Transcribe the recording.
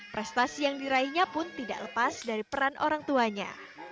prestasi yang diraihnya pun tidak lepas dari peran orang tuanya